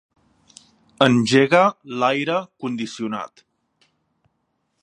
Engega l'aire condicionat.